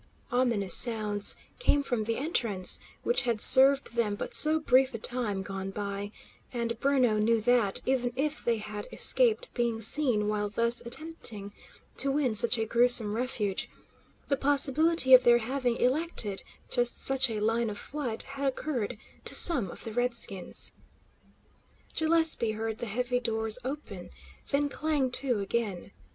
Ominous sounds came from the entrance, which had served them but so brief a time gone by, and Bruno knew that, even if they had escaped being seen while thus attempting to win such a gruesome refuge, the possibility of their having elected just such a line of flight had occurred to some of the redskins. Gillespie heard the heavy doors open, then clang to again.